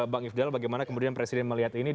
bang ifdal bagaimana kemudian presiden melihat ini